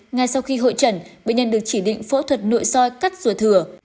ngay sau khi hội chẩn bệnh nhân được chỉ định phẫu thuật nội soi cắt ruột thừa